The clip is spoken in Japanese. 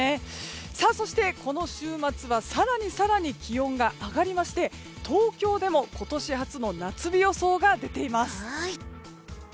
そしてこの週末は更に更に気温が上がりまして東京でも今年初の夏日予想が出ています。